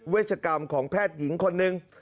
เวชกรรมของแพทย์หญิงคนหนึ่ง